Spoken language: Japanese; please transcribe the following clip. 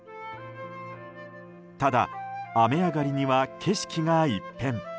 ただ、雨上がりには景色が一変。